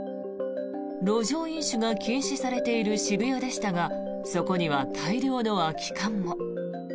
路上飲酒が禁止されている渋谷でしたがそこには大量の空き缶も。